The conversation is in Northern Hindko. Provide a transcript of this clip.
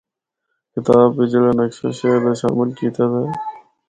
کتاب بچ جڑا نقشہ شہر دا شامل کیتا دا ہے۔